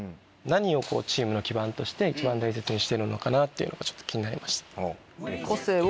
何をチームの基盤として一番大切にしてるのかなっていうのが気になりました。